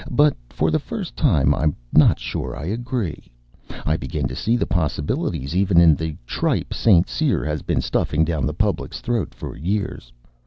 But for the first time I'm not sure I agree. I begin to see possibilities, even in the tripe St. Cyr has been stuffing down the public's throat for years.